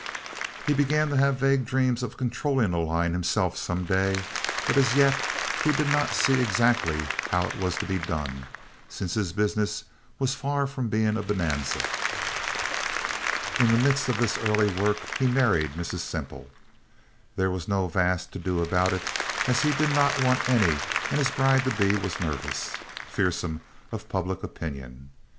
He began to have vague dreams of controlling a line himself some day, but as yet he did not see exactly how it was to be done, since his business was far from being a bonanza. In the midst of this early work he married Mrs. Semple. There was no vast to do about it, as he did not want any and his bride to be was nervous, fearsome of public opinion.